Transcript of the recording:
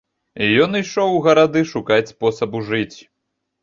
Ён ішоў у гарады шукаць спосабу жыць.